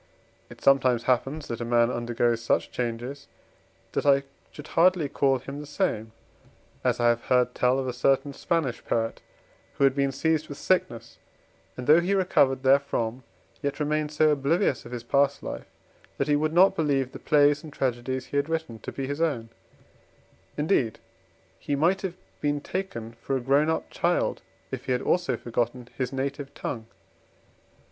It sometimes happens, that a man undergoes such changes, that I should hardly call him the same. As I have heard tell of a certain Spanish poet, who had been seized with sickness, and though he recovered therefrom yet remained so oblivious of his past life, that he would not believe the plays and tragedies he had written to be his own: indeed, he might have been taken for a grown up child, if he had also forgotten his native tongue.